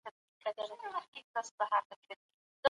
هغه سړی چي کتاب لولي هوښیار دی.